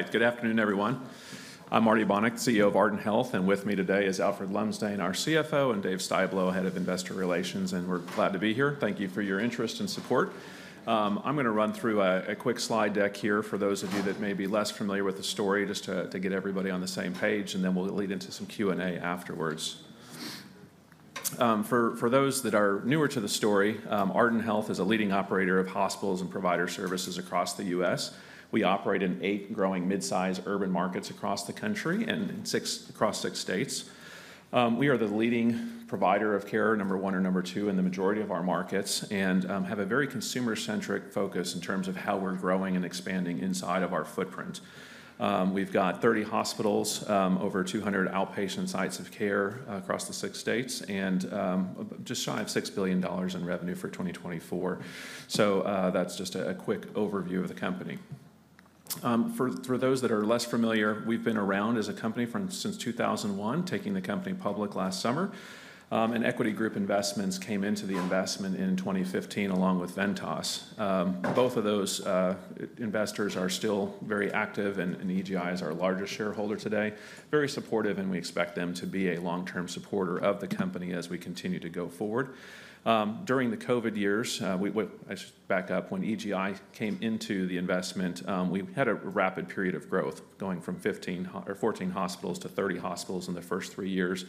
All right, good afternoon, everyone. I'm Marty Bonick, CEO of Ardent Health, and with me today is Alfred Lumsdaine, our CFO, and Dave Styblo, Head of Investor Relations, and we're glad to be here. Thank you for your interest and support. I'm going to run through a quick slide deck here for those of you that may be less familiar with the story, just to get everybody on the same page, and then we'll lead into some Q&A afterwards. For those that are newer to the story, Ardent Health is a leading operator of hospitals and provider services across the U.S. We operate in eight growing mid-sized urban markets across the country and across six states. We are the leading provider of care, number one or number two in the majority of our markets, and have a very consumer-centric focus in terms of how we're growing and expanding inside of our footprint. We've got 30 hospitals, over 200 outpatient sites of care across the six states, and just shy of $6 billion in revenue for 2024. So that's just a quick overview of the company. For those that are less familiar, we've been around as a company since 2001, taking the company public last summer, and Equity Group Investments came into the investment in 2015 along with Ventas. Both of those investors are still very active, and EGI is our largest shareholder today. Very supportive, and we expect them to be a long-term supporter of the company as we continue to go forward. During the COVID years, I should back up. When EGI came into the investment, we had a rapid period of growth, going from 14 hospitals to 30 hospitals in the first three years,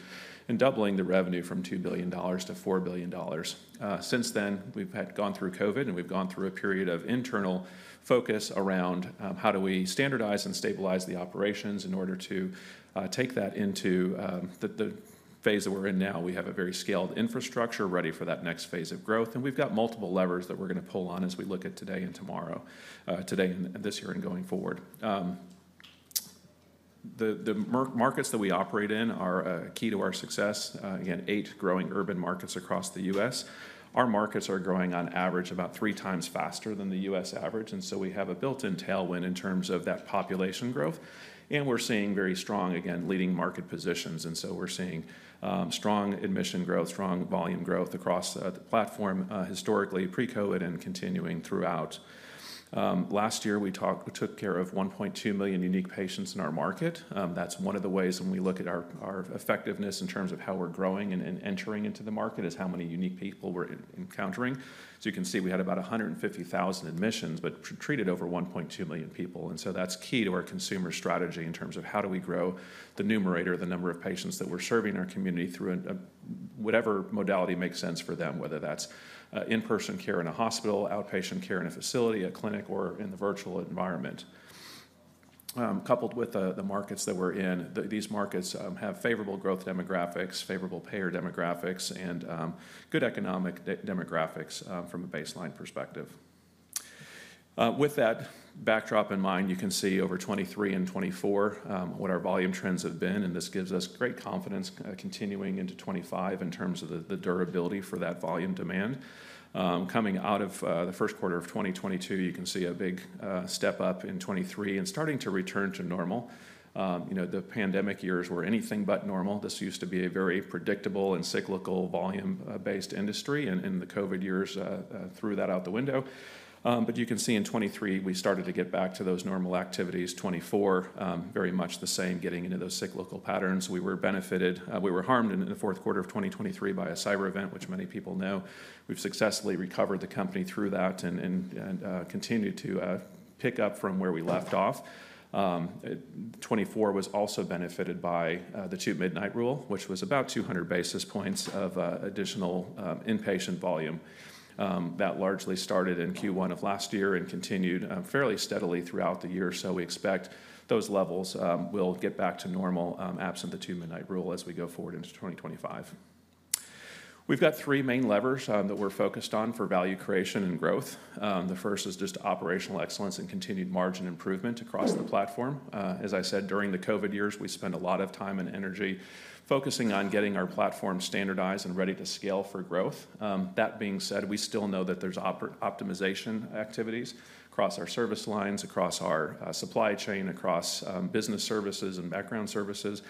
and doubling the revenue from $2 billion to $4 billion. Since then, we've gone through COVID, and we've gone through a period of internal focus around how do we standardize and stabilize the operations in order to take that into the phase that we're in now. We have a very scaled infrastructure ready for that next phase of growth, and we've got multiple levers that we're going to pull on as we look at today and tomorrow, today and this year and going forward. The markets that we operate in are key to our success. Again, eight growing urban markets across the U.S. Our markets are growing on average about three times faster than the U.S. average. And so we have a built-in tailwind in terms of that population growth, and we're seeing very strong, again, leading market positions. So we're seeing strong admission growth, strong volume growth across the platform historically, pre-COVID and continuing throughout. Last year, we took care of 1.2 million unique patients in our market. That's one of the ways when we look at our effectiveness in terms of how we're growing and entering into the market is how many unique people we're encountering. So you can see we had about 150,000 admissions, but treated over 1.2 million people, and so that's key to our consumer strategy in terms of how do we grow the numerator, the number of patients that we're serving our community through whatever modality makes sense for them, whether that's in-person care in a hospital, outpatient care in a facility, a clinic, or in the virtual environment. Coupled with the markets that we're in, these markets have favorable growth demographics, favorable payer demographics, and good economic demographics from a baseline perspective. With that backdrop in mind, you can see over 2023 and 2024 what our volume trends have been, and this gives us great confidence continuing into 2025 in terms of the durability for that volume demand. Coming out of the first quarter of 2022, you can see a big step up in 2023 and starting to return to normal. The pandemic years were anything but normal. This used to be a very predictable and cyclical volume-based industry, and in the COVID years, threw that out the window. But you can see in 2023, we started to get back to those normal activities. 2024, very much the same, getting into those cyclical patterns. We were benefited. We were harmed in the fourth quarter of 2023 by a cyber event, which many people know. We've successfully recovered the company through that and continued to pick up from where we left off. 2024 was also benefited by Two-Midnight Rule, which was about 200 basis points of additional inpatient volume. That largely started in Q1 of last year and continued fairly steadily throughout the year, so we expect those levels will get back to normal absent Two-Midnight Rule as we go forward into 2025. We've got three main levers that we're focused on for value creation and growth. The first is just operational excellence and continued margin improvement across the platform. As I said, during the COVID years, we spent a lot of time and energy focusing on getting our platform standardized and ready to scale for growth. That being said, we still know that there's optimization activities across our service lines, across our supply chain, across business services and background services,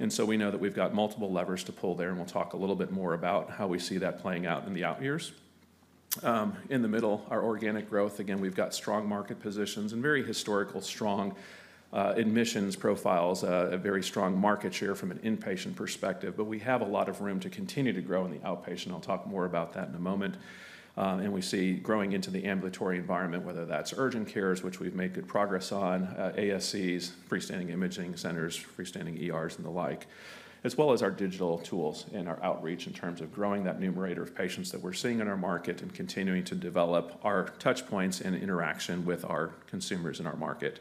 and so we know that we've got multiple levers to pull there, and we'll talk a little bit more about how we see that playing out in the out years. In the middle, our organic growth. Again, we've got strong market positions and very historical strong admissions profiles, a very strong market share from an inpatient perspective, but we have a lot of room to continue to grow in the outpatient. I'll talk more about that in a moment. And we see growing into the ambulatory environment, whether that's urgent cares, which we've made good progress on, ASCs, freestanding imaging centers, freestanding ERs, and the like, as well as our digital tools and our outreach in terms of growing that numerator of patients that we're seeing in our market and continuing to develop our touch points and interaction with our consumers in our market.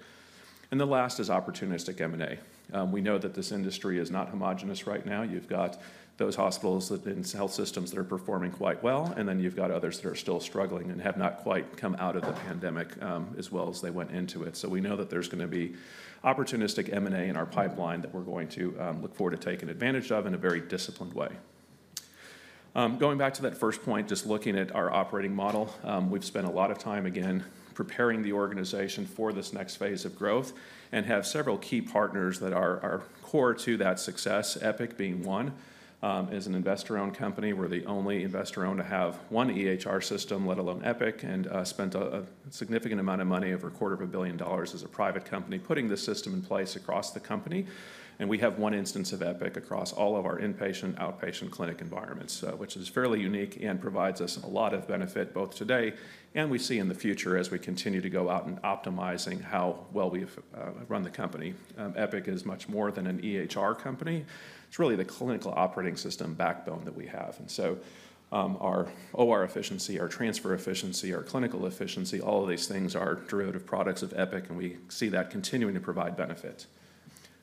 And the last is opportunistic M&A. We know that this industry is not homogeneous right now. You've got those hospitals and health systems that are performing quite well, and then you've got others that are still struggling and have not quite come out of the pandemic as well as they went into it. So we know that there's going to be opportunistic M&A in our pipeline that we're going to look forward to taking advantage of in a very disciplined way. Going back to that first point, just looking at our operating model, we've spent a lot of time, again, preparing the organization for this next phase of growth and have several key partners that are core to that success. Epic being one. As an investor-owned company, we're the only investor-owned to have one EHR system, let alone Epic, and spent a significant amount of money, over $250 million as a private company, putting the system in place across the company, and we have one instance of Epic across all of our inpatient, outpatient, clinic environments, which is fairly unique and provides us a lot of benefit both today and we see in the future as we continue to go out and optimize how well we've run the company. Epic is much more than an EHR company. It's really the clinical operating system backbone that we have. And so our OR efficiency, our transfer efficiency, our clinical efficiency, all of these things are derivative products of Epic, and we see that continuing to provide benefit.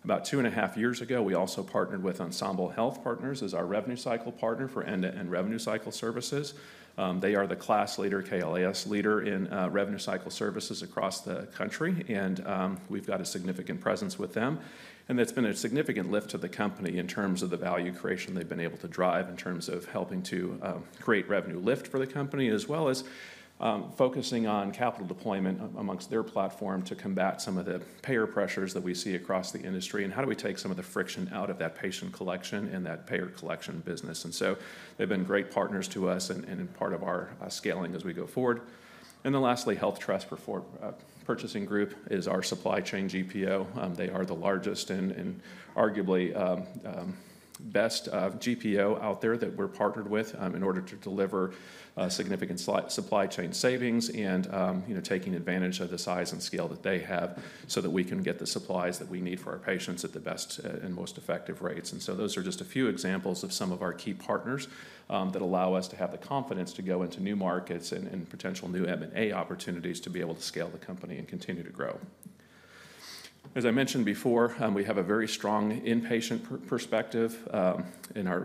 About 2.5 years ago, we also partnered with Ensemble Health Partners as our revenue cycle partner for end-to-end revenue cycle services. They are the class leader, KLAS leader in revenue cycle services across the country, and we've got a significant presence with them. And that's been a significant lift to the company in terms of the value creation they've been able to drive in terms of helping to create revenue lift for the company, as well as focusing on capital deployment amongst their platform to combat some of the payer pressures that we see across the industry and how do we take some of the friction out of that patient collection and that payer collection business. And so they've been great partners to us and part of our scaling as we go forward. And then lastly, HealthTrust Purchasing Group is our supply chain GPO. They are the largest and arguably best GPO out there that we're partnered with in order to deliver significant supply chain savings and taking advantage of the size and scale that they have so that we can get the supplies that we need for our patients at the best and most effective rates. And so those are just a few examples of some of our key partners that allow us to have the confidence to go into new markets and potential new M&A opportunities to be able to scale the company and continue to grow. As I mentioned before, we have a very strong inpatient perspective in our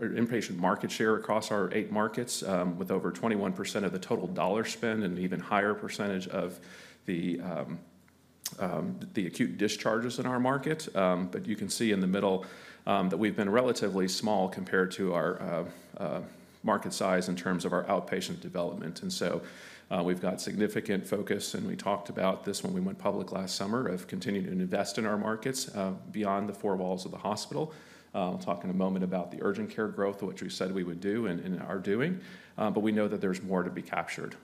inpatient market share across our eight markets, with over 21% of the total dollar spend and an even higher percentage of the acute discharges in our market. But you can see in the middle that we've been relatively small compared to our market size in terms of our outpatient development, and so we've got significant focus, and we talked about this when we went public last summer, of continuing to invest in our markets beyond the four walls of the hospital. I'll talk in a moment about the urgent care growth, which we said we would do and are doing, but we know that there's more to be captured.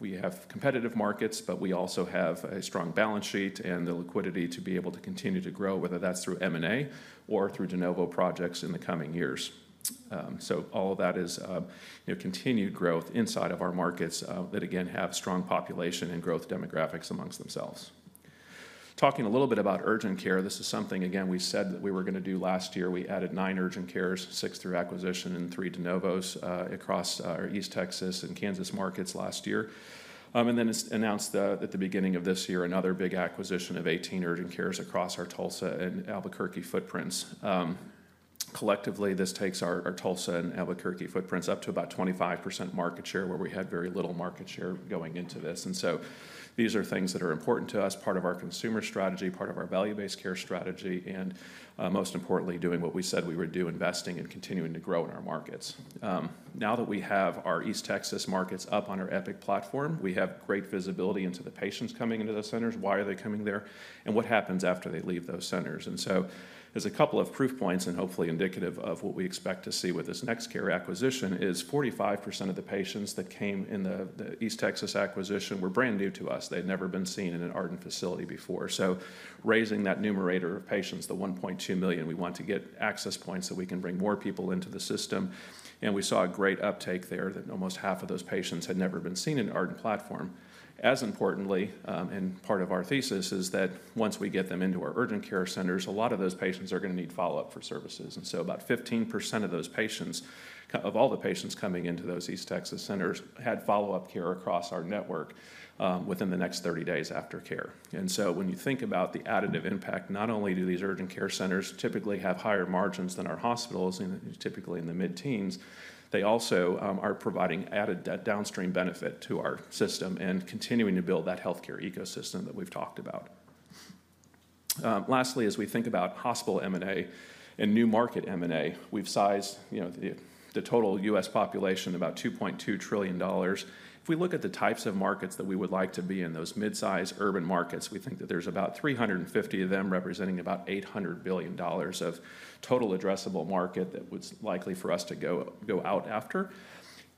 We have competitive markets, but we also have a strong balance sheet and the liquidity to be able to continue to grow. Whether that's through M&A or through de novo projects in the coming years. So all of that is continued growth inside of our markets that, again, have strong population and growth demographics among themselves. Talking a little bit about urgent care, this is something, again, we said that we were going to do last year. We added nine urgent cares, six through acquisition, and three de novos across our East Texas and Kansas markets last year, and then announced at the beginning of this year another big acquisition of 18 urgent cares across our Tulsa and Albuquerque footprints. Collectively, this takes our Tulsa and Albuquerque footprints up to about 25% market share, where we had very little market share going into this. These are things that are important to us, part of our consumer strategy, part of our value-based care strategy, and most importantly, doing what we said we would do, investing and continuing to grow in our markets. Now that we have our East Texas markets up on our Epic platform, we have great visibility into the patients coming into those centers, why are they coming there, and what happens after they leave those centers. There's a couple of proof points and hopefully indicative of what we expect to see with this NextCare acquisition is 45% of the patients that came in the East Texas acquisition were brand new to us. They had never been seen in an Ardent facility before. Raising that numerator of patients, the 1.2 million, we want to get access points so we can bring more people into the system. And we saw a great uptake there that almost half of those patients had never been seen in an Ardent platform. As importantly, and part of our thesis is that once we get them into our urgent care centers, a lot of those patients are going to need follow-up for services. And so about 15% of those patients, of all the patients coming into those East Texas centers, had follow-up care across our network within the next 30 days after care. And so when you think about the additive impact, not only do these urgent care centers typically have higher margins than our hospitals. Typically in the mid-teens. They also are providing added downstream benefit to our system and continuing to build that healthcare ecosystem that we've talked about. Lastly, as we think about hospital M&A and new market M&A, we've sized the total U.S. population about $2.2 trillion. If we look at the types of markets that we would like to be in, those mid-size urban markets, we think that there's about 350 of them representing about $800 billion of total addressable market that was likely for us to go out after.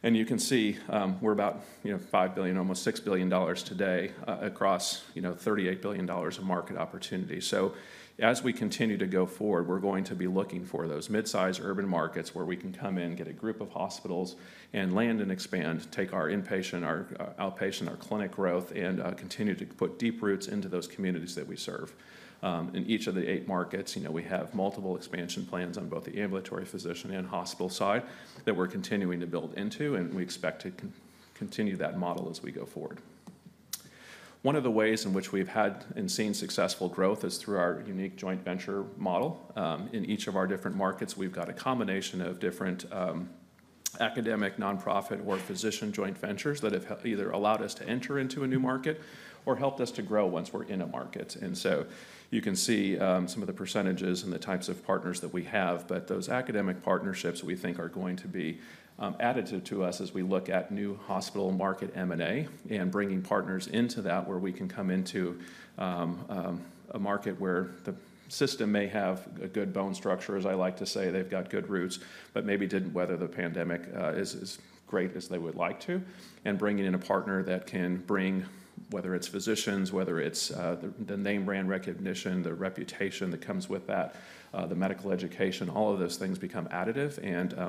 And you can see we're about $5 billion, almost $6 billion today across $38 billion of market opportunity. So as we continue to go forward, we're going to be looking for those mid-size urban markets where we can come in, get a group of hospitals, and land and expand, take our inpatient, our outpatient, our clinic growth, and continue to put deep roots into those communities that we serve. In each of the eight markets, we have multiple expansion plans on both the ambulatory physician and hospital side that we're continuing to build into, and we expect to continue that model as we go forward. One of the ways in which we've had and seen successful growth is through our unique joint venture model. In each of our different markets, we've got a combination of different academic, nonprofit, or physician joint ventures that have either allowed us to enter into a new market or helped us to grow once we're in a market. And so you can see some of the percentages and the types of partners that we have, but those academic partnerships we think are going to be additive to us as we look at new hospital market M&A and bringing partners into that where we can come into a market where the system may have a good bone structure, as I like to say. They've got good roots, but maybe didn't weather the pandemic as great as they would like to, and bringing in a partner that can bring, whether it's physicians, whether it's the name brand recognition, the reputation that comes with that, the medical education, all of those things become additive.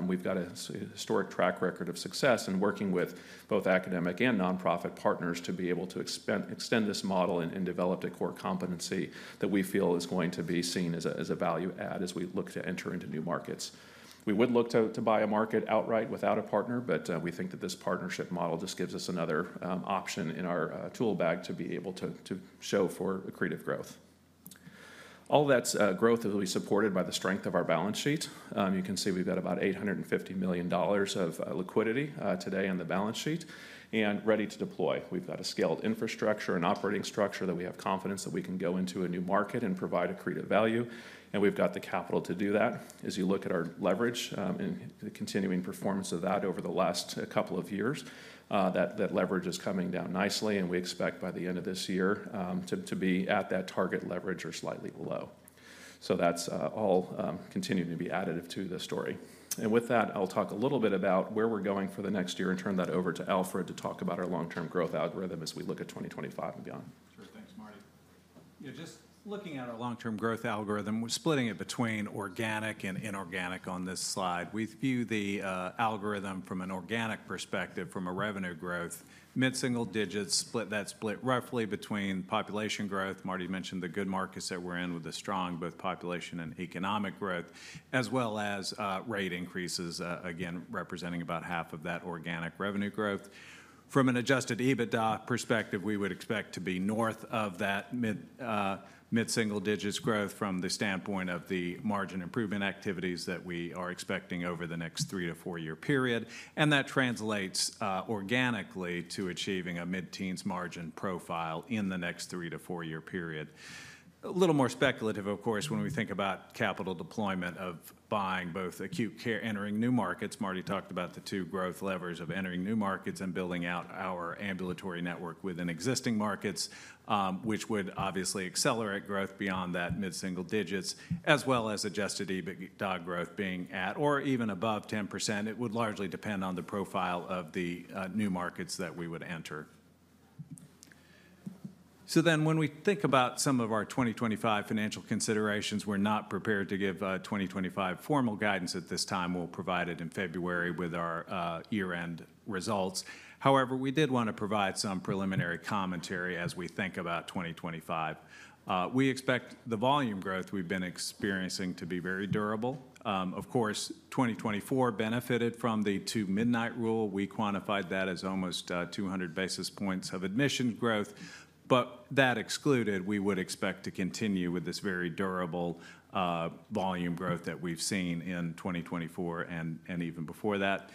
We've got a historic track record of success in working with both academic and nonprofit partners to be able to extend this model and develop a core competency that we feel is going to be seen as a value add as we look to enter into new markets. We would look to buy a market outright without a partner, but we think that this partnership model just gives us another option in our tool bag to be able to show for creative growth. All that growth is supported by the strength of our balance sheet. You can see we've got about $850 million of liquidity today on the balance sheet and ready to deploy. We've got a scaled infrastructure and operating structure that we have confidence that we can go into a new market and provide a creative value, and we've got the capital to do that. As you look at our leverage and the continuing performance of that over the last couple of years, that leverage is coming down nicely, and we expect by the end of this year to be at that target leverage or slightly below. So that's all continuing to be additive to the story. And with that, I'll talk a little bit about where we're going for the next year and turn that over to Alfred to talk about our long-term growth algorithm as we look at 2025 and beyond. Sure. Thanks, Marty. Yeah, just looking at our long-term growth algorithm, we're splitting it between organic and inorganic on this slide. We view the algorithm from an organic perspective, from a revenue growth, mid-single digits, that split roughly between population growth. Marty mentioned the good markets that we're in with a strong both population and economic growth, as well as rate increases, again, representing about half of that organic revenue growth. From an adjusted EBITDA perspective, we would expect to be north of that mid-single digits growth from the standpoint of the margin improvement activities that we are expecting over the next three-year to four-year period. And that translates organically to achieving a mid-teens margin profile in the next three-year to four-year period. A little more speculative, of course, when we think about capital deployment of buying both acute care, entering new markets. Marty talked about the two growth levers of entering new markets and building out our ambulatory network within existing markets, which would obviously accelerate growth beyond that mid-single digits, as well as adjusted EBITDA growth being at or even above 10%. It would largely depend on the profile of the new markets that we would enter, so then when we think about some of our 2025 financial considerations, we're not prepared to give 2025 formal guidance at this time. We'll provide it in February with our year-end results. However, we did want to provide some preliminary commentary as we think about 2025. We expect the volume growth we've been experiencing to be very durable. Of course, 2024 benefited from Two-Midnight Rule. We quantified that as almost 200 basis points of admission growth, but that excluded, we would expect to continue with this very durable volume growth that we've seen in 2024 and even before that.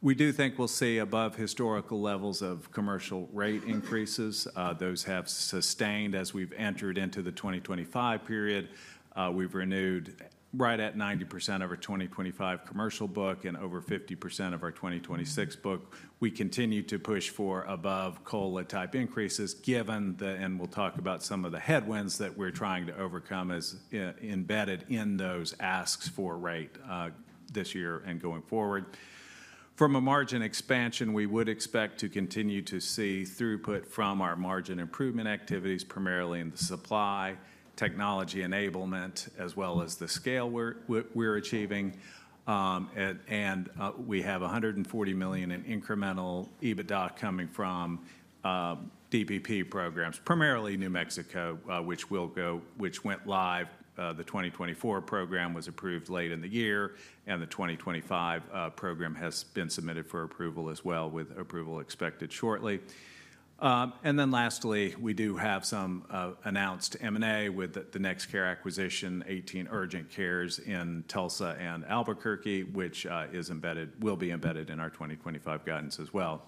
We do think we'll see above historical levels of commercial rate increases. Those have sustained as we've entered into the 2025 period. We've renewed right at 90% of our 2025 commercial book and over 50% of our 2026 book. We continue to push for above COLA-type increases, given the, and we'll talk about some of the headwinds that we're trying to overcome as embedded in those asks for rate this year and going forward. From a margin expansion, we would expect to continue to see throughput from our margin improvement activities, primarily in the supply technology enablement, as well as the scale we're achieving. And we have $140 million in incremental EBITDA coming from DPP programs, primarily New Mexico, which went live. The 2024 program was approved late in the year, and the 2025 program has been submitted for approval as well, with approval expected shortly. And then lastly, we do have some announced M&A with the NextCare acquisition, 18 urgent cares in Tulsa and Albuquerque, which will be embedded in our 2025 guidance as well.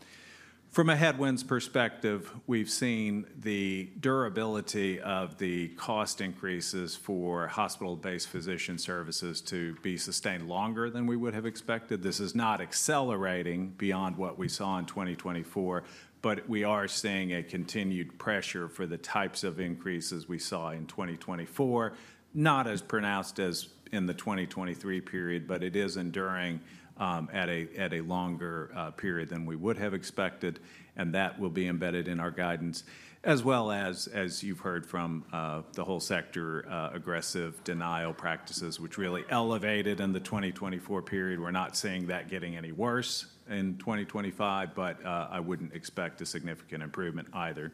From a headwinds perspective, we've seen the durability of the cost increases for hospital-based physician services to be sustained longer than we would have expected. This is not accelerating beyond what we saw in 2024, but we are seeing a continued pressure for the types of increases we saw in 2024, not as pronounced as in the 2023 period, but it is enduring at a longer period than we would have expected. And that will be embedded in our guidance, as well as, as you've heard from the whole sector, aggressive denial practices, which really elevated in the 2024 period. We're not seeing that getting any worse in 2025, but I wouldn't expect a significant improvement either.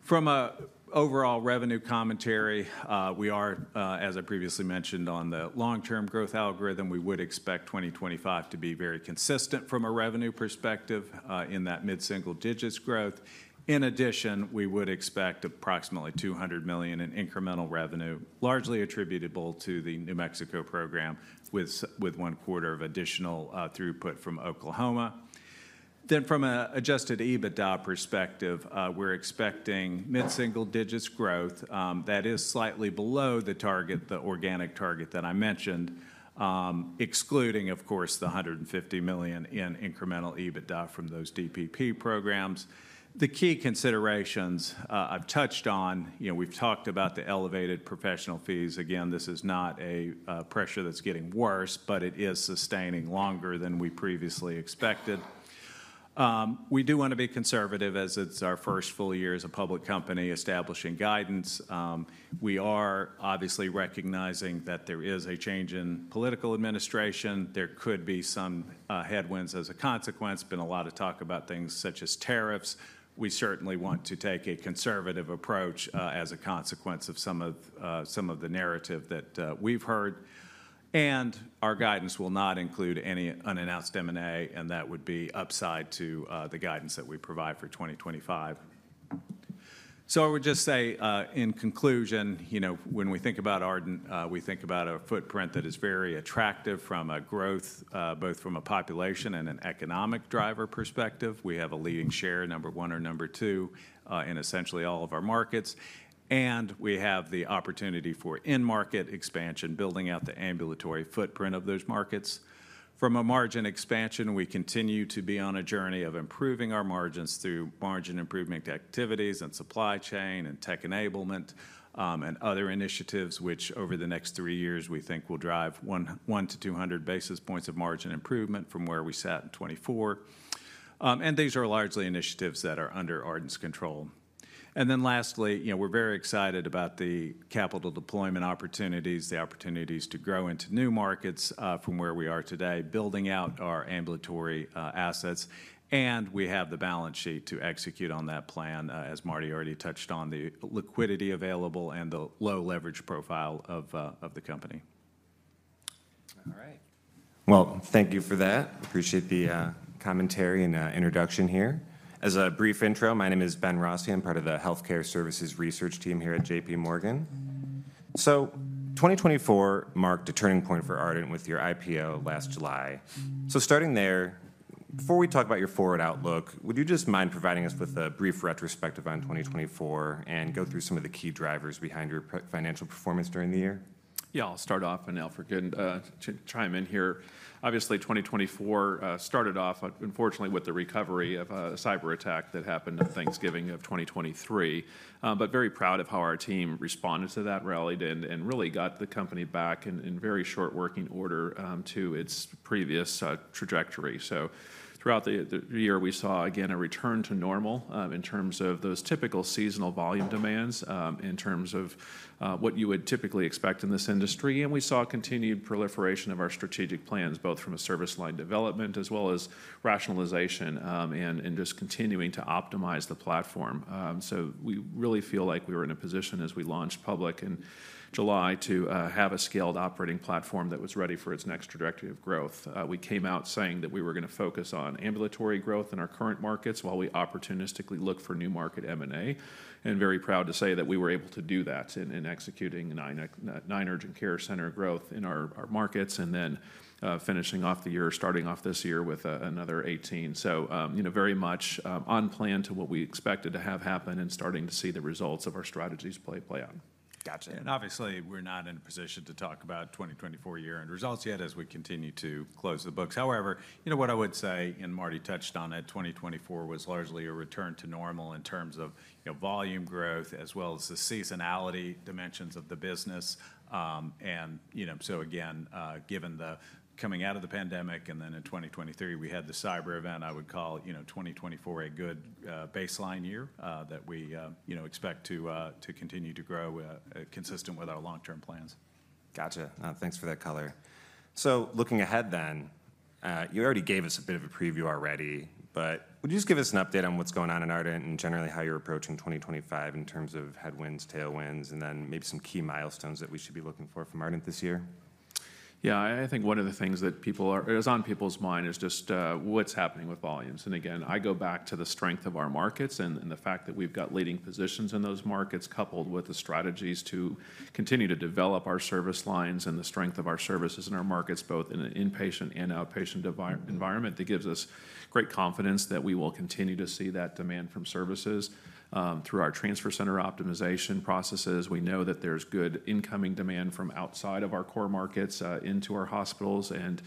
From an overall revenue commentary, we are, as I previously mentioned, on the long-term growth algorithm. We would expect 2025 to be very consistent from a revenue perspective in that mid-single digits growth. In addition, we would expect approximately $200 million in incremental revenue, largely attributable to the New Mexico program, with one quarter of additional throughput from Oklahoma. Then from an adjusted EBITDA perspective, we're expecting mid-single digits growth that is slightly below the target, the organic target that I mentioned, excluding, of course, the $150 million in incremental EBITDA from those DPP programs. The key considerations I've touched on. We've talked about the elevated professional fees. Again, this is not a pressure that's getting worse, but it is sustaining longer than we previously expected. We do want to be conservative as it's our first full year as a public company establishing guidance. We are obviously recognizing that there is a change in political administration. There could be some headwinds as a consequence. There's been a lot of talk about things such as tariffs. We certainly want to take a conservative approach as a consequence of some of the narrative that we've heard, and our guidance will not include any unannounced M&A, and that would be upside to the guidance that we provide for 2025, so I would just say, in conclusion, when we think about Ardent, we think about a footprint that is very attractive from a growth, both from a population and an economic driver perspective. We have a leading share, number one or number two in essentially all of our markets, and we have the opportunity for in-market expansion, building out the ambulatory footprint of those markets. From a margin expansion, we continue to be on a journey of improving our margins through margin improvement activities and supply chain and tech enablement and other initiatives, which over the next three years, we think will drive 100 basis points-200 basis points of margin improvement from where we sat in 2024. And these are largely initiatives that are under Ardent's control. And then lastly, we're very excited about the capital deployment opportunities, the opportunities to grow into new markets from where we are today, building out our ambulatory assets. And we have the balance sheet to execute on that plan, as Marty already touched on, the liquidity available and the low leverage profile of the company. All right. Well, thank you for that. Appreciate the commentary and introduction here. As a brief intro, my name is Ben Rossi. I'm part of the Healthcare Services Research Team here at JP Morgan. So 2024 marked a turning point for Ardent with your IPO last July. So starting there, before we talk about your forward outlook, would you just mind providing us with a brief retrospective on 2024 and go through some of the key drivers behind your financial performance during the year? Yeah, I'll start off, and Alfred can chime in here. Obviously, 2024 started off, unfortunately, with the recovery of a cyber attack that happened on Thanksgiving of 2023. But very proud of how our team responded to that and really got the company back in working order in very short order to its previous trajectory. So throughout the year, we saw, again, a return to normal in terms of those typical seasonal volume demands, in terms of what you would typically expect in this industry. We saw continued proliferation of our strategic plans, both from a service line development as well as rationalization and just continuing to optimize the platform. We really feel like we were in a position as we launched public in July to have a scaled operating platform that was ready for its next trajectory of growth. We came out saying that we were going to focus on ambulatory growth in our current markets while we opportunistically look for new market M&A. Very proud to say that we were able to do that in executing nine urgent care center growth in our markets and then finishing off the year, starting off this year with another 18 urgent cares. Very much on plan to what we expected to have happen and starting to see the results of our strategies play out. Gotcha. And obviously, we're not in a position to talk about 2024 year-end results yet as we continue to close the books. However, what I would say, and Marty touched on it, 2024 was largely a return to normal in terms of volume growth as well as the seasonality dimensions of the business. And so again, given the coming out of the pandemic and then in 2023, we had the cyber event, I would call 2024 a good baseline year that we expect to continue to grow consistent with our long-term plans. Gotcha. Thanks for that color. So looking ahead then, you already gave us a bit of a preview already. But would you just give us an update on what's going on in Ardent and generally how you're approaching 2025 in terms of headwinds, tailwinds, and then maybe some key milestones that we should be looking for from Ardent this year? Yeah, I think one of the things that is on people's mind is just what's happening with volumes. And again, I go back to the strength of our markets and the fact that we've got leading positions in those markets coupled with the strategies to continue to develop our service lines and the strength of our services in our markets, both in an inpatient and outpatient environment. That gives us great confidence that we will continue to see that demand from services through our transfer center optimization processes. We know that there's good incoming demand from outside of our core markets into our hospitals. And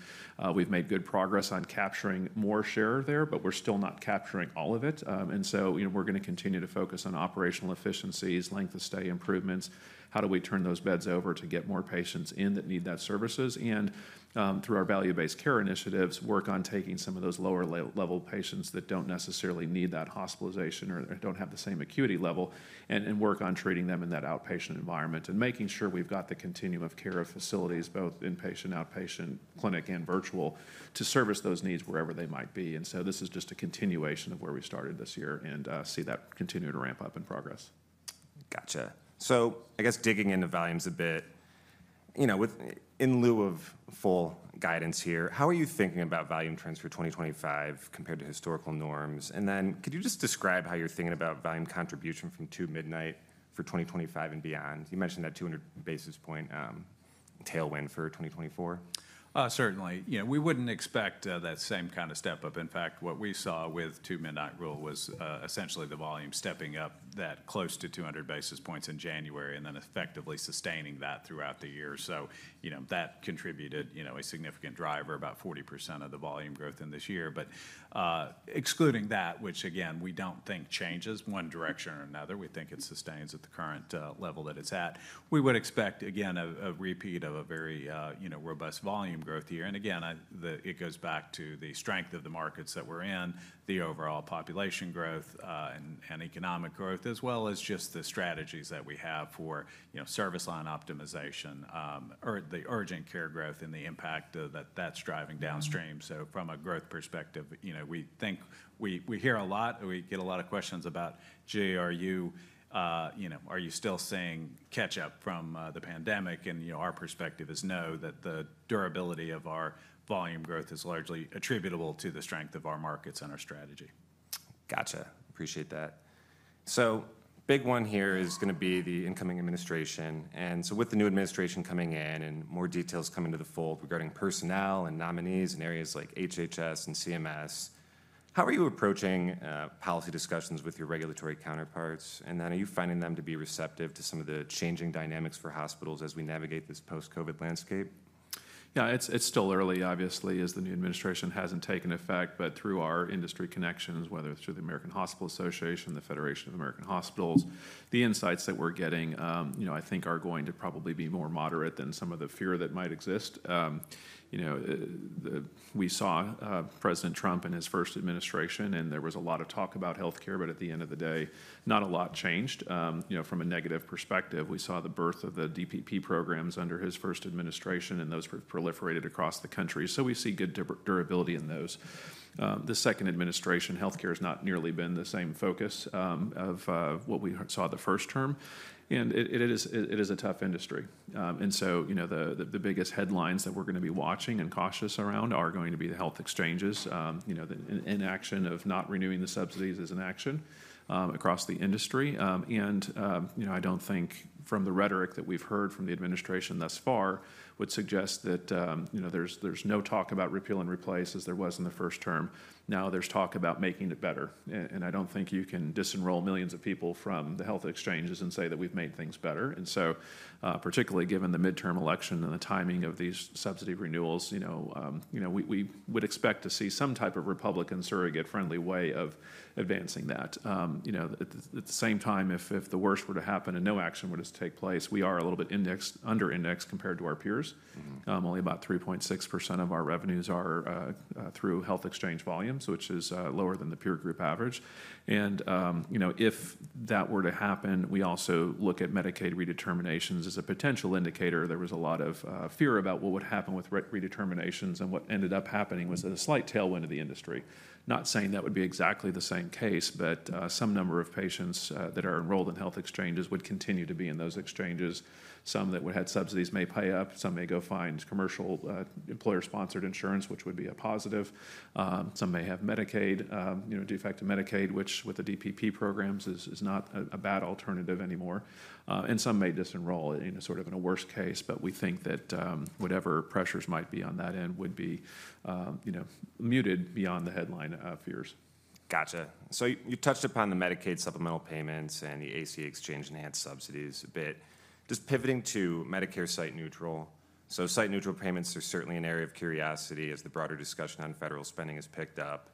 we've made good progress on capturing more share there, but we're still not capturing all of it. So we're going to continue to focus on operational efficiencies, length of stay improvements. How do we turn those beds over to get more patients in that need that services. And through our value-based care initiatives, work on taking some of those lower-level patients that don't necessarily need that hospitalization or don't have the same acuity level. And work on treating them in that outpatient environment and making sure we've got the continuum of care of facilities, both inpatient, outpatient, clinic, and virtual to service those needs wherever they might be. So this is just a continuation of where we started this year and see that continue to ramp up in progress. Gotcha. I guess digging into volumes a bit, in lieu of full guidance here. How are you thinking about volume trends for 2025 compared to historical norms? And then could you just describe how you're thinking about volume contribution from Two-Midnight for 2025 and beyond? You mentioned that 200 basis point tailwind for 2024. Certainly. We wouldn't expect that same kind of step up. In fact, what we saw with Two-Midnight Rule was essentially the volume stepping up that close to 200 basis points in January and then effectively sustaining that throughout the year. So that contributed a significant driver, about 40% of the volume growth in this year. But excluding that, which again, we don't think changes one direction or another, we think it sustains at the current level that it's at. We would expect, again, a repeat of a very robust volume growth here. And again, it goes back to the strength of the markets that we're in, the overall population growth and economic growth, as well as just the strategies that we have for service line optimization or the urgent care growth and the impact that that's driving downstream. So from a growth perspective, we think we hear a lot. We get a lot of questions about, "Jay, are you still seeing catch-up from the pandemic?" And our perspective is no, that the durability of our volume growth is largely attributable to the strength of our markets and our strategy. Gotcha. Appreciate that. So big one here is going to be the incoming administration. And so with the new administration coming in and more details coming to the fold regarding personnel and nominees in areas like HHS and CMS, how are you approaching policy discussions with your regulatory counterparts? And then are you finding them to be receptive to some of the changing dynamics for hospitals as we navigate this post-COVID landscape? Yeah, it's still early, obviously, as the new administration hasn't taken effect. But through our industry connections, whether it's through the American Hospital Association, the Federation of American Hospitals, the insights that we're getting, I think are going to probably be more moderate than some of the fear that might exist. We saw President Trump in his first administration, and there was a lot of talk about healthcare, but at the end of the day, not a lot changed. From a negative perspective, we saw the birth of the DPP programs under his first administration, and those proliferated across the country. So we see good durability in those. The second administration, healthcare has not nearly been the same focus of what we saw the first term. It is a tough industry. So the biggest headlines that we're going to be watching and cautious around are going to be the health exchanges, the inaction of not renewing the subsidies is in action across the industry. I don't think from the rhetoric that we've heard from the administration thus far would suggest that there's no talk about repeal and replace as there was in the first term. Now there's talk about making it better. I don't think you can disenroll millions of people from the health exchanges and say that we've made things better. Particularly given the midterm election and the timing of these subsidy renewals, we would expect to see some type of Republican surrogate-friendly way of advancing that. At the same time, if the worst were to happen and no action were to take place. We are a little bit indexed, under-indexed compared to our peers. Only about 3.6% of our revenues are through health exchange volumes, which is lower than the peer group average. And if that were to happen, we also look at Medicaid redeterminations as a potential indicator. There was a lot of fear about what would happen with redeterminations, and what ended up happening was a slight tailwind of the industry. Not saying that would be exactly the same case, but some number of patients that are enrolled in health exchanges would continue to be in those exchanges. Some that would have subsidies may pay up. Some may go find commercial employer-sponsored insurance, which would be a positive. Some may have Medicaid, new defect to Medicaid, which with the DPP programs is not a bad alternative anymore, and some may disenroll in a sort of worst case, but we think that whatever pressures might be on that end would be muted beyond the headline of fears. Gotcha, so you touched upon the Medicaid supplemental payments and the ACA exchange enhanced subsidies a bit. Just pivoting to Medicare site-neutral, so site-neutral payments are certainly an area of curiosity as the broader discussion on federal spending has picked up.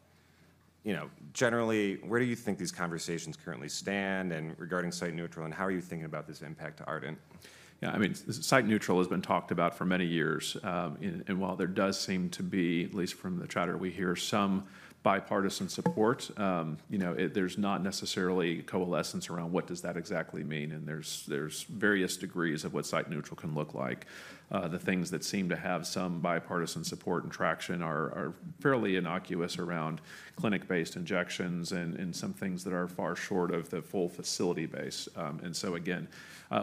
Generally, where do you think these conversations currently stand regarding site-neutral, and how are you thinking about this impact to Ardent? Yeah, I mean, site-neutral has been talked about for many years. While there does seem to be, at least from the chatter we hear, some bipartisan support, there's not necessarily coalescence around what does that exactly mean. There's various degrees of what site-neutral can look like. The things that seem to have some bipartisan support and traction are fairly innocuous around clinic-based injections and some things that are far short of the full facility fee. So again,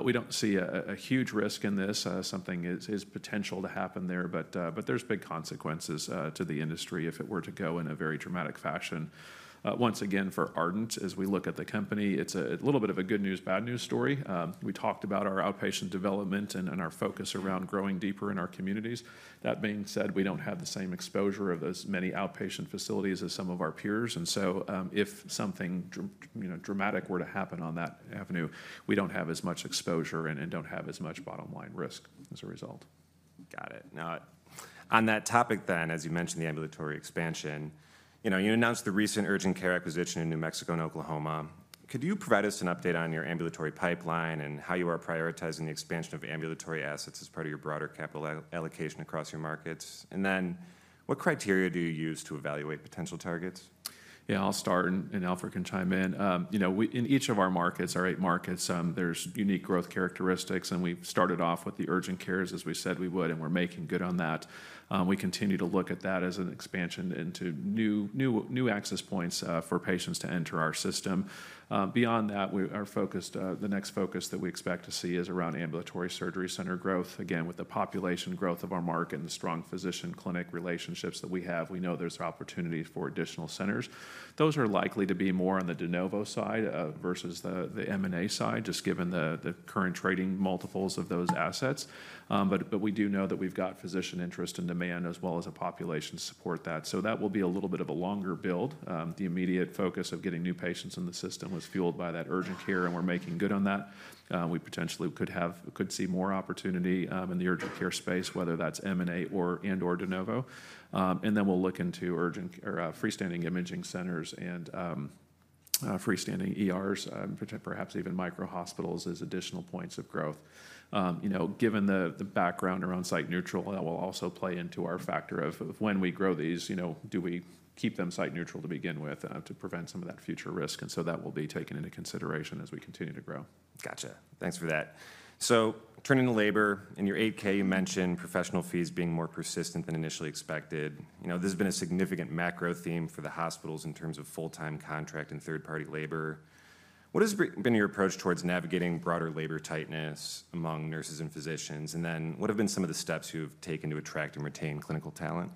we don't see a huge risk in this. Something has potential to happen there, but there's big consequences to the industry if it were to go in a very dramatic fashion. Once again, for Ardent, as we look at the company, it's a little bit of a good news, bad news story. We talked about our outpatient development and our focus around growing deeper in our communities. That being said, we don't have the same exposure of those many outpatient facilities as some of our peers, and so if something dramatic were to happen on that avenue, we don't have as much exposure and don't have as much bottom line risk as a result. Got it. Now, on that topic then, as you mentioned the ambulatory expansion, you announced the recent urgent care acquisition in New Mexico and Oklahoma. Could you provide us an update on your ambulatory pipeline and how you are prioritizing the expansion of ambulatory assets as part of your broader capital allocation across your markets, and then what criteria do you use to evaluate potential targets? Yeah, I'll start, and Alfred can chime in. In each of our markets, our eight markets. There's unique growth characteristics. And we started off with the urgent cares, as we said we would, and we're making good on that. We continue to look at that as an expansion into new access points for patients to enter our system. Beyond that, our focus, the next focus that we expect to see is around ambulatory surgery center growth. Again, with the population growth of our market and the strong physician-clinic relationships that we have, we know there's opportunity for additional centers. Those are likely to be more on the de novo side versus the M&A side, just given the current trading multiples of those assets. But we do know that we've got physician interest and demand as well as a population support that. So that will be a little bit of a longer build. The immediate focus of getting new patients in the system was fueled by that urgent care, and we're making good on that. We potentially could see more opportunity in the urgent care space, whether that's M&A and/or de novo, and then we'll look into urgent or freestanding imaging centers and freestanding ERs, perhaps even micro-hospitals as additional points of growth. Given the background around site-neutral, that will also play into our factor of when we grow these, do we keep them site-neutral to begin with to prevent some of that future risk, and so that will be taken into consideration as we continue to grow. Gotcha. Thanks for that. So turning to labor, in your 8-K, you mentioned professional fees being more persistent than initially expected. This has been a significant macro theme for the hospitals in terms of full-time, contract, and third-party labor. What has been your approach towards navigating broader labor tightness among nurses and physicians? And then what have been some of the steps you've taken to attract and retain clinical talent?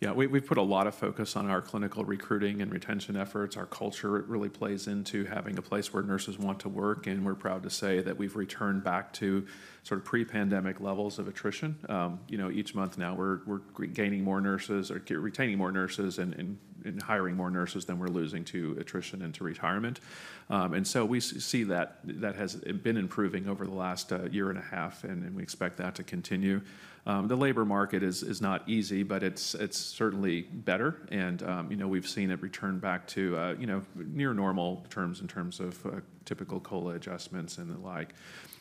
Yeah, we've put a lot of focus on our clinical recruiting and retention efforts. Our culture really plays into having a place where nurses want to work. And we're proud to say that we've returned back to sort of pre-pandemic levels of attrition. Each month now, we're gaining more nurses or retaining more nurses and hiring more nurses than we're losing to attrition and to retirement. And so we see that that has been improving over the last 1.5 years, and we expect that to continue. The labor market is not easy, but it's certainly better. And we've seen it return back to near normal terms in terms of typical COLA adjustments and the like.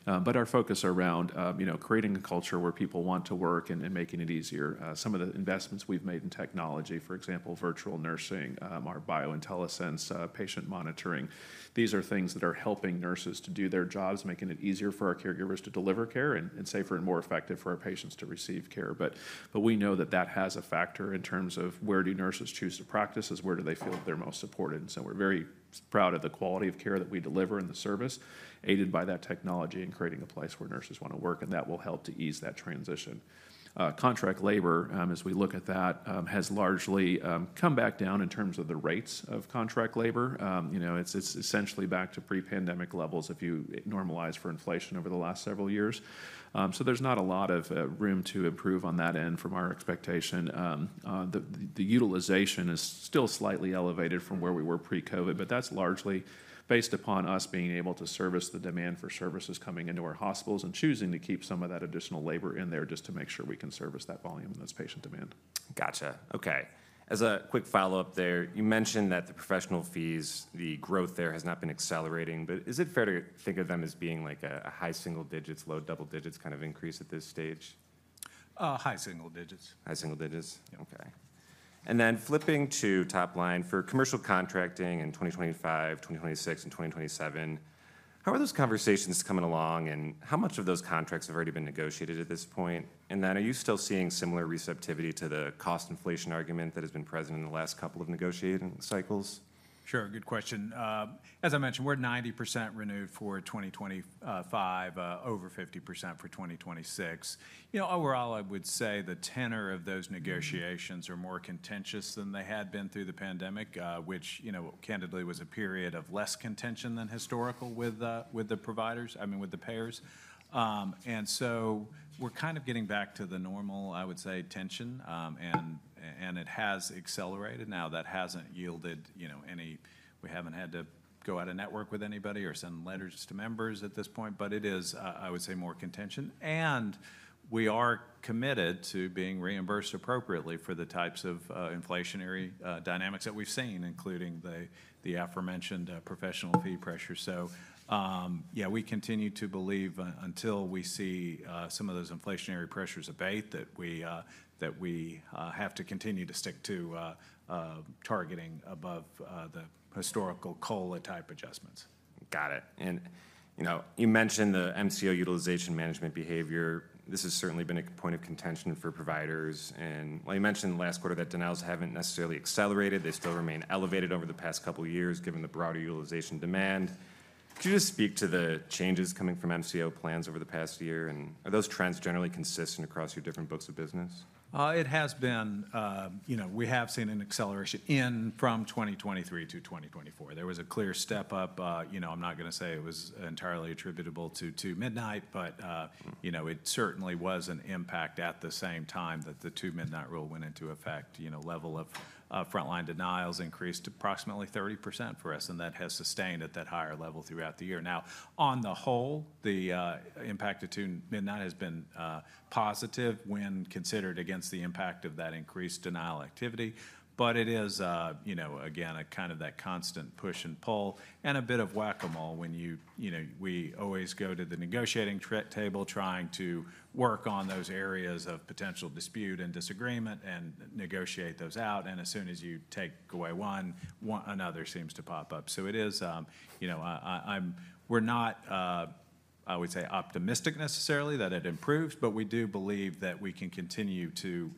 But our focus around creating a culture where people want to work and making it easier. Some of the investments we've made in technology, for example, virtual nursing, our BioIntelliSense, patient monitoring. These are things that are helping nurses to do their jobs, making it easier for our caregivers to deliver care and safer and more effective for our patients to receive care. But we know that that has a factor in terms of where do nurses choose to practice is where do they feel they're most supported. And so we're very proud of the quality of care that we deliver and the service aided by that technology and creating a place where nurses want to work. And that will help to ease that transition. Contract labor, as we look at that, has largely come back down in terms of the rates of contract labor. It's essentially back to pre-pandemic levels if you normalize for inflation over the last several years. So there's not a lot of room to improve on that end from our expectation. The utilization is still slightly elevated from where we were pre-COVID, but that's largely based upon us being able to service the demand for services coming into our hospitals and choosing to keep some of that additional labor in there just to make sure we can service that volume and those patient demand. Gotcha. Okay. As a quick follow-up there, you mentioned that the professional fees, the growth there has not been accelerating. But is it fair to think of them as being like a high single-digits, low double-digits kind of increase at this stage? High single-digits. High single-digits. Okay. And then flipping to top line for commercial contracting in 2025, 2026, and 2027, how are those conversations coming along, and how much of those contracts have already been negotiated at this point? And then are you still seeing similar receptivity to the cost inflation argument that has been present in the last couple of negotiating cycles? Sure. Good question. As I mentioned, we're 90% renewed for 2025, over 50% for 2026. Overall, I would say the tenor of those negotiations are more contentious than they had been through the pandemic, which candidly was a period of less contention than historical with the providers, I mean, with the payers. And so we're kind of getting back to the normal, I would say, tension. And it has accelerated. Now, that hasn't yielded any. We haven't had to go out and network with anybody or send letters to members at this point. But it is, I would say, more contention. And we are committed to being reimbursed appropriately for the types of inflationary dynamics that we've seen, including the aforementioned professional fee pressure. So yeah, we continue to believe until we see some of those inflationary pressures abate that we have to continue to stick to targeting above the historical COLA-type adjustments. Got it. And you mentioned the MCO utilization management behavior. This has certainly been a point of contention for providers. And you mentioned in the last quarter that denials haven't necessarily accelerated. They still remain elevated over the past couple of years given the broader utilization demand. Could you just speak to the changes coming from MCO plans over the past year? And are those trends generally consistent across your different books of business? It has been. We have seen an acceleration in from 2023-2024. There was a clear step up. I'm not going to say it was entirely attributable to midnight, but it certainly was an impact at the same time that Two-Midnight Rule went into effect. Level of frontline denials increased approximately 30% for us, and that has sustained at that higher level throughout the year. Now, on the whole, the impact of Two-Midnight has been positive when considered against the impact of that increased denial activity. But it is, again, a kind of that constant push and pull and a bit of whack-a-mole when we always go to the negotiating table trying to work on those areas of potential dispute and disagreement and negotiate those out, and as soon as you take away one, another seems to pop up. So, it is. We're not, I would say, optimistic necessarily that it improves, but we do believe that we can continue to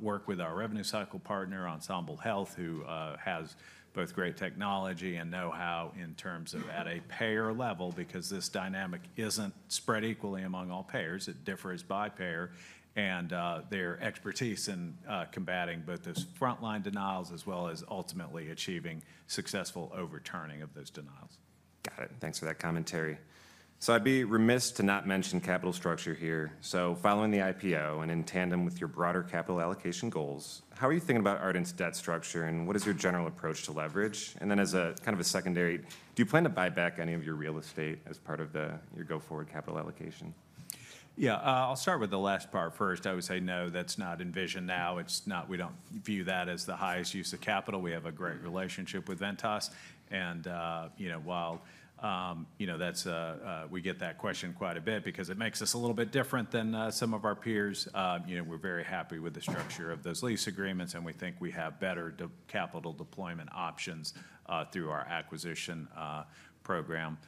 work with our revenue cycle partner, Ensemble Health, who has both great technology and know-how in terms of at a payer level because this dynamic isn't spread equally among all payers. It differs by payer. And their expertise in combating both those frontline denials as well as ultimately achieving successful overturning of those denials. Got it. Thanks for that commentary. So, I'd be remiss to not mention capital structure here. So, following the IPO and in tandem with your broader capital allocation goals, how are you thinking about Ardent's debt structure and what is your general approach to leverage? And then as a kind of a secondary, do you plan to buy back any of your real estate as part of your go forward capital allocation? Yeah, I'll start with the last part first. I would say no, that's not envisioned now. We don't view that as the highest use of capital. We have a great relationship with Ventas. And while that's a we get that question quite a bit because it makes us a little bit different than some of our peers. We're very happy with the structure of those lease agreements, and we think we have better capital deployment options through our acquisition program.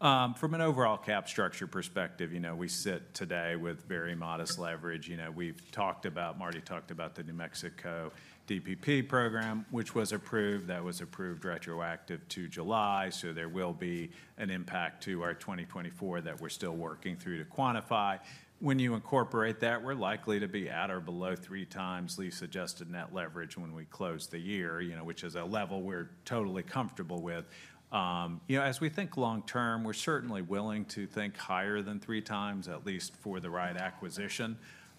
From an overall cap structure perspective, we sit today with very modest leverage. We've talked about, Marty talked about the New Mexico DPP program, which was approved. That was approved retroactive to July. So there will be an impact to our 2024 that we're still working through to quantify. When you incorporate that, we're likely to be at or below 3x lease adjusted net leverage when we close the year, which is a level we're totally comfortable with. As we think long term, we're certainly willing to think higher than 3x, at least for the right acquisition.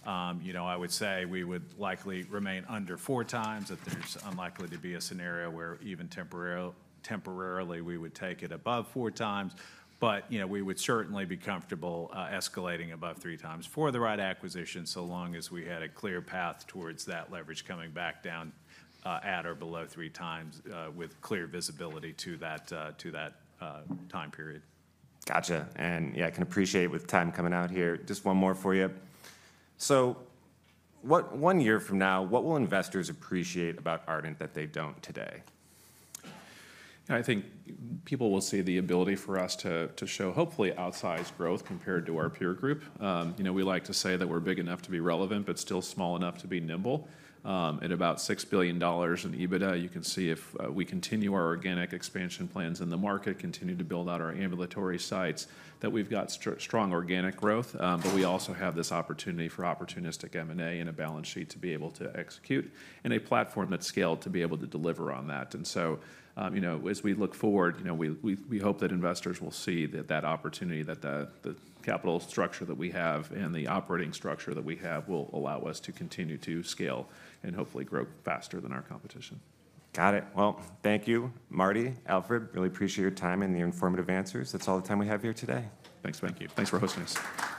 I would say we would likely remain under 4x. That there's unlikely to be a scenario where even temporarily we would take it above 4x. But we would certainly be comfortable escalating above 3x for the right acquisition so long as we had a clear path towards that leverage coming back down at or below 3x with clear visibility to that time period. Gotcha. And yeah, I can appreciate with time coming out here. Just one more for you. So one year from now, what will investors appreciate about Ardent that they don't today? I think people will see the ability for us to show hopefully outsized growth compared to our peer group. We like to say that we're big enough to be relevant, but still small enough to be nimble. At about $6 billion in EBITDA, you can see if we continue our organic expansion plans in the market, continue to build out our ambulatory sites, that we've got strong organic growth. But we also have this opportunity for opportunistic M&A and a balance sheet to be able to execute and a platform that's scaled to be able to deliver on that. And so as we look forward, we hope that investors will see that that opportunity, that the capital structure that we have and the operating structure that we have will allow us to continue to scale and hopefully grow faster than our competition. Got it. Well, thank you, Marty, Alfred. Really appreciate your time and your informative answers. That's all the time we have here today. Thanks, Ben. Thanks for hosting us.